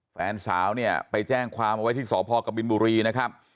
แฟนสาวเนี่ยไปแจ้งความเอาไว้ที่สพกบินบุรีนะครับ